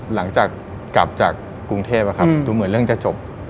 หลังจากกลับจากกรุงเทพดูเหมือนเรื่องจะจบ